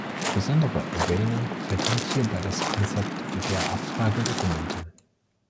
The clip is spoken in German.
Besondere Erwähnung verdient hierbei das Konzept der „Abfragedokumente“.